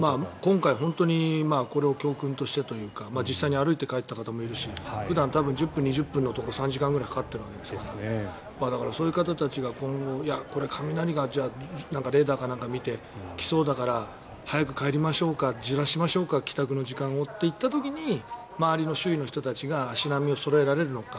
今回これを教訓としてというか実際に歩いて帰った人もいるし普段１０分、２０分のところを３時間かかった人もいるわけだからそういう方たちが今後、雷がレーダーか何かを見て来そうだから早く帰りましょうかずらしましょうか帰宅の時間をと言った時に周りの周囲の人たちが足並みをそろえられるのか。